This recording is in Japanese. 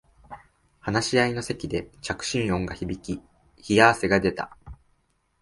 話し合いの席で着信音が響き冷や汗が出た